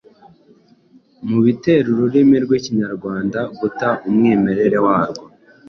mu bitera ururimi rw’Ikinyarwanda guta umwimerere wa rwo,